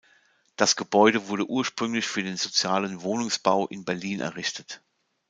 Das Gebäude wurde ursprünglich für den sozialen Wohnungsbau in Berlin errichtet.